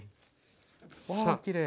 わきれい。